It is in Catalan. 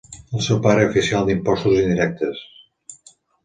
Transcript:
El seu pare era oficial d'impostos indirectes.